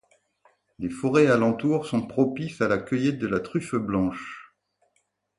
Les forêts alentour sont propices à la cueillette de la truffe blanche.